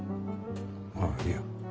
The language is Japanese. あっいや。